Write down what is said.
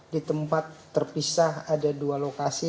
di tempat terpisah ada dua lokasi